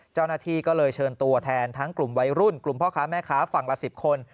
เจ้าหน้าที่ก็เลยเชิญตัวแทนทั้งกลุ่มวัยรุ่นกลุ่มพ่อค้าแม่ค้าฝั่งละ๑๐คน